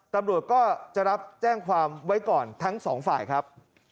ตำรวจก็จะรับแจ้งความไว้ก่อนทั้งสองฝ่ายครับ